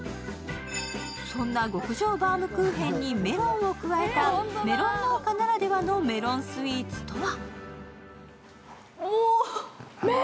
そんな極上バウムクーヘンにメロンを加えたメロン農家ならではのメロンスイーツとは？